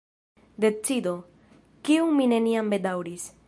Decido, kiun mi neniam bedaŭris.